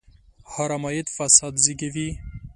حرام عاید فساد زېږوي.